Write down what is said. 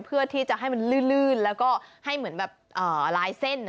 เพื่อที่จะให้มันรื้ออยู่แล้วก็ให้แบบรายเส้น